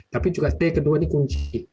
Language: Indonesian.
tapi juga stay kedua ini kunci